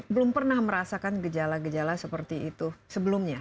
belum pernah merasakan gejala gejala seperti itu sebelumnya